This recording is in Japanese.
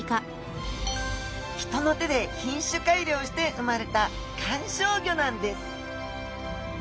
人の手で品種改良して生まれた観賞魚なんです。